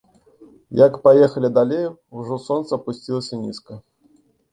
Як паехалі далей, ужо сонца апусцілася нізка.